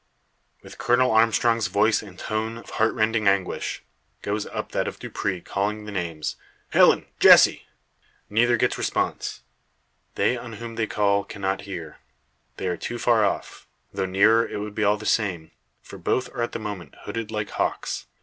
With Colonel Armstrong's voice in tone of heartrending anguish, goes up that of Dupre calling the names "Helen! Jessie!" Neither gets response. They on whom they call cannot hear. They are too far off; though nearer, it would be all the same; for both are at the moment hooded like hawks.